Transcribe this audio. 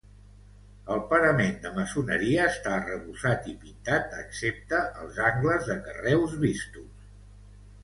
El parament de maçoneria està arrebossat i pintat excepte els angles de carreus vistos.